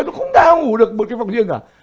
nó không ngủ được một cái phòng riêng cả